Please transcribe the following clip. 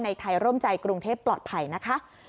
ไทยร่วมใจกรุงเทพปลอดภัยนะคะ